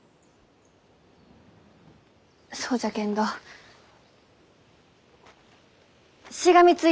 そうじゃけんどしがみつい